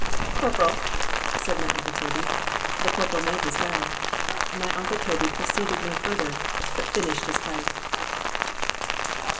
——Corporal! said my uncle Toby—the corporal made his bow.——My uncle Toby proceeded no farther, but finished his pipe.